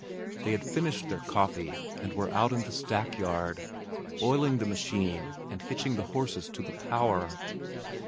They had finished their coffee and were out in the stack yard oiling the machine and hitching the horses to the power.